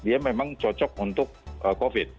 dia memang cocok untuk covid